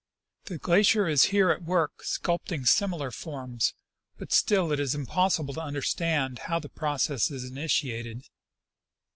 The glacier is here at work sculpturing similar forms ; but still it is impossible to understand how the process is initiated.